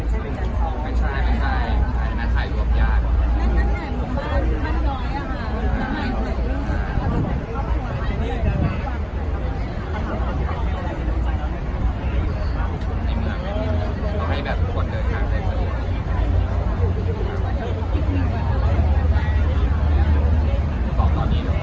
พี่ก่อนเขาก็ใช้สิทธิ์ไขมันมันไม่ใช่ปรัสไขมันมีอย่าง